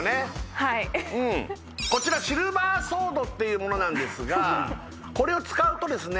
はいこちらシルバーソードっていうものなんですがこれを使うとですね